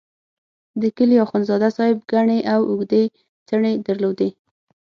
د کلي اخندزاده صاحب ګڼې او اوږدې څڼې درلودې.